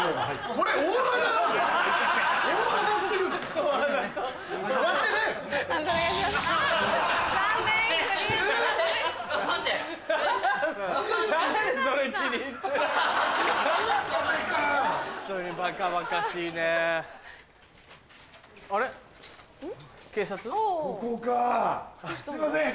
ここかすいません